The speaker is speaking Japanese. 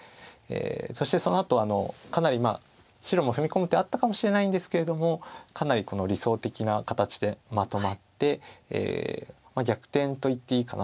そしてそのあとかなり白も踏み込む手あったかもしれないんですけれどもかなりこの理想的な形でまとまって逆転といっていいかなと思いました。